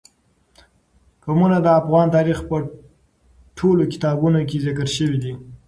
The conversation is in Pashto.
قومونه د افغان تاریخ په ټولو کتابونو کې ذکر شوي دي.